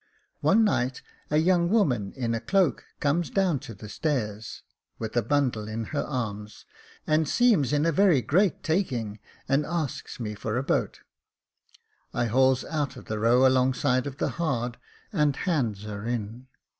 " One night a young woman in a cloak comes down to the stairs with a bundle in her arms, and seems in a very great taking, and asks me for a boat. I hauls out of the row alongside of the hard, and hands her in.